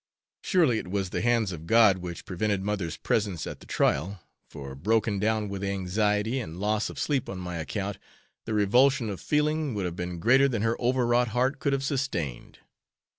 Surely it was the hands of God which prevented mother's presence at the trial, for broken down with anxiety and loss of sleep on my account, the revulsion of feeling would have been greater than her over wrought heart could have sustained.